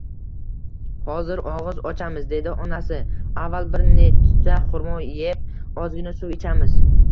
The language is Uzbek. Hozir og`iz ochamiz, dedi onasi, avval bir nechta xurmo eb, ozgina suv ichamiz